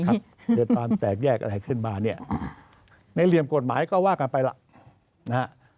เกิดความแตกแยกอะไรขึ้นมาเนี่ยในเหลี่ยมกฎหมายก็ว่ากันไปล่ะนะฮะ